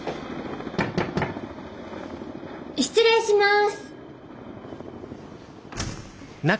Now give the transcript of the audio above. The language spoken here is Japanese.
失礼します！